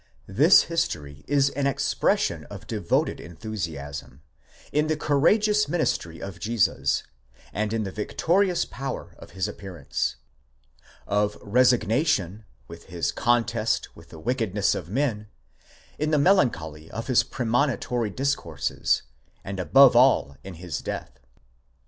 This history is an expression of devoted enthusiasm, in the courageous ministry of Jesus, and in the victorious power of his appearance ; of resignation, in his contest with the wickedness of men, in the melancholy of his premonitory discourses, and above all in his death.